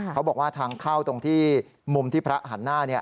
เขาบอกว่าทางเข้าตรงที่มุมที่พระหันหน้า